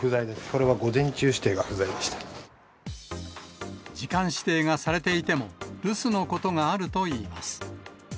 これは午前中時間指定がされていても、留守のことがあるといいます。